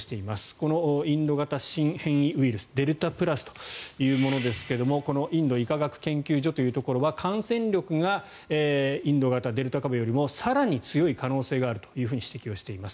このインド型新変異ウイルスデルタプラスというものですがインド医科学研究所というところは感染力がインド型デルタ株よりも更に強い可能性があると指摘をしています。